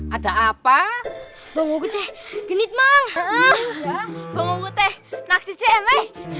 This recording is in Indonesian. ada apa benguk teh genitmang benguk teh naksi cme